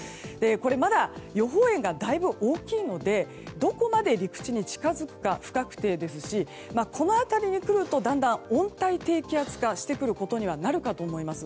まだ予報円が、だいぶ大きいのでどこまで陸地に近づくか不確定ですしこの辺りに来るとだんだん温帯低気圧化してくることにはなるかと思います。